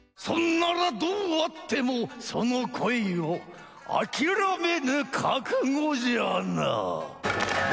そんならどうあってもその恋を諦めぬ覚悟じゃな。